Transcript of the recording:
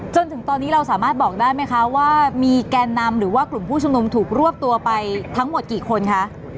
จนถึงตอนนี้เราสามารถบอกได้ไหมคะว่ามีแกนนำหรือว่ากลุ่มผู้ชุมนุมถูกรวบตัวไปทั้งหมดกี่คนคะ